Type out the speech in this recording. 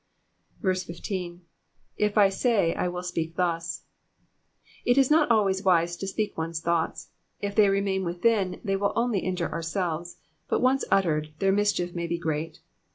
15. 7j^ I 9ay^ I wiU speak thus.^^ It is not always wise to speak one*8 thoughts ; if they remain within, they will only injure ourselves ; but once uttered, their mischief may be great.